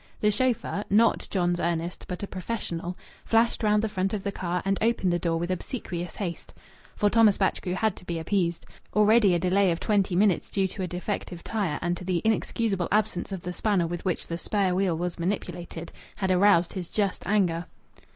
The chauffeur not John's Ernest, but a professional flashed round the front of the car and opened the door with obsequious haste. For Thomas Batchgrew had to be appeased. Already a delay of twenty minutes due to a defective tire and to the inexcusable absence of the spanner with which the spare wheel was manipulated had aroused his just anger.